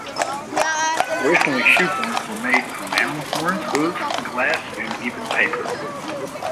Originally, shoehorns were made from animal horns, hooves, glass and even paper.